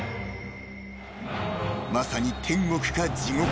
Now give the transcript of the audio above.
［まさに天国か地獄。